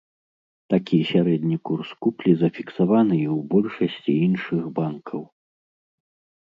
Такі сярэдні курс куплі зафіксаваны і ў большасці іншых банкаў.